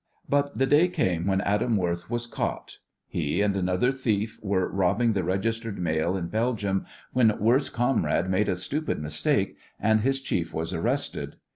But the day came when Adam Worth was caught. He and another thief were robbing the registered mail in Belgium when Worth's comrade made a stupid mistake, and his chief was arrested.